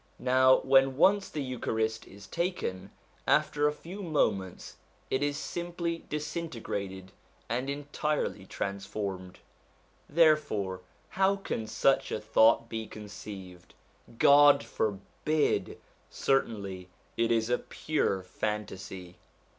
Now when once the Eucharist is taken, after a few moments H 114 SOME ANSWERED QUESTIONS it is simply disintegrated, and entirely transformed. Therefore how can such a thought be conceived ? God forbid ! certainly it is a pure fantasy.